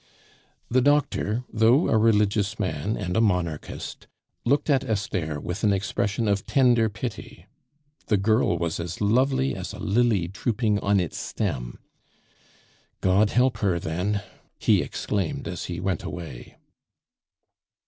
The doctor, though a religious man and a Monarchist, looked at Esther with an expression of tender pity. The girl was as lovely as a lily drooping on its stem. "God help her, then!" he exclaimed as he went away.